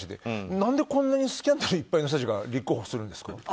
何でこんなにスキャンダルいっぱいの人たちが立候補するんですか？